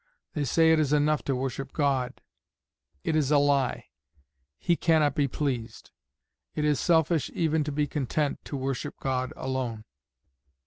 They say it is enough to worship God; it is a lie. He cannot be pleased; it is selfish even to be content to worship God alone."